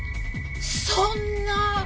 そんな！